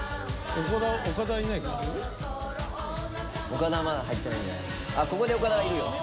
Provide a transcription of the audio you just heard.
ここで岡田はいるよ。